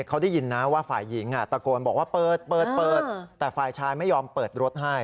เขาได้ยินนะว่าฝ่ายหญิงตะโกนบอกว่าเปิดเปิดแต่ฝ่ายชายไม่ยอมเปิดรถให้